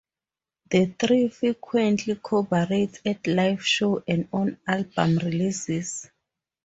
The three frequently collaborate at live shows and on album releases.